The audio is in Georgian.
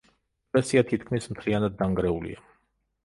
ეკლესია თითქმის მთლიანად დანგრეულია.